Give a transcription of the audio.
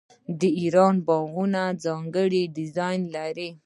د ایران باغونه ځانګړی ډیزاین لري.